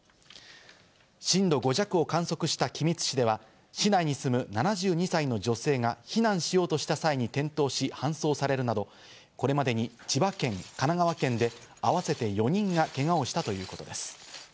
震度５弱を観測した君津市では市内に住む７２歳の女性が避難しようとした際に転倒し搬送されるなど、これまでに千葉県、神奈川県で合わせて４人がけがをしたということです。